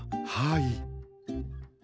はい。